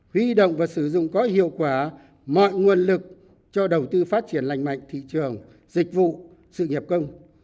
huy động và sử dụng có hiệu quả mọi nguồn lực cho đầu tư phát triển lành mạnh thị trường dịch vụ sự nghiệp công